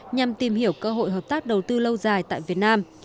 nhằm tìm hiểu cơ hội hợp tác đầu tư lâu dài tại việt nam